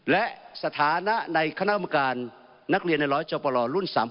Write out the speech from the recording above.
และสถานะในคณะอุปกรณ์นักเรียนในร้อยเจ้าประหล่อรุ่น๓๖